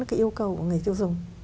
cái yêu cầu của người tiêu dùng